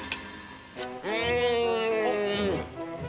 うん！